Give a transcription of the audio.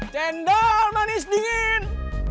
cendol manis dingin